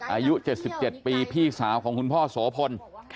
อายุ๗๗ปีพี่สาวของคุณพ่อโสพล